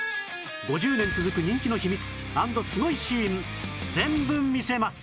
５０年続く人気の秘密＆スゴいシーン全部見せます